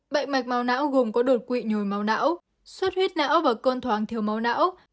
bệnh mạch màu não gồm có đột quỵ nhồi máu não suất huyết não và cơn thoáng thiếu máu não